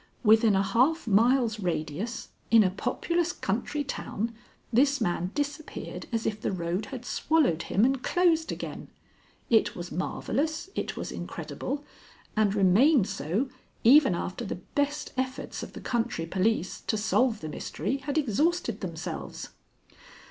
Within a half mile's radius, in a populous country town, this man disappeared as if the road had swallowed him and closed again. It was marvellous, it was incredible, and remained so even after the best efforts of the country police to solve the mystery had exhausted themselves.